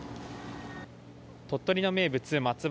鳥取の名物松葉